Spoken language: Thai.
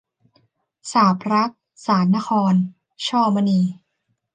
สาปรัก สานนคร - ช่อมณี